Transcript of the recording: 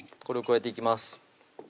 これを加えていきます